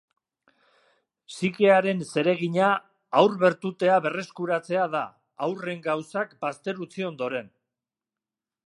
Psikearen zeregina haur-bertutea berreskuratzea da, haurren gauzak bazter utzi ondoren.